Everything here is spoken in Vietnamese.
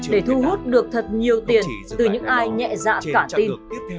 để thu hút được thật nhiều tiền từ những ai nhẹ dạ cả tin